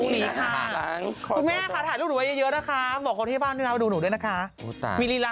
นี่ไงน่ารักครับคุณแม่